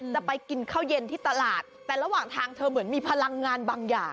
จะไปกินข้าวเย็นที่ตลาดแต่ระหว่างทางเธอเหมือนมีพลังงานบางอย่าง